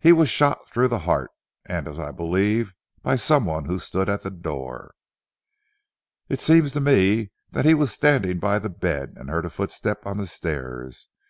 He was shot through the heart, and as I believe, by someone who stood at the door. It seems to me, that he was standing by the bed, and heard a footstep on the stairs.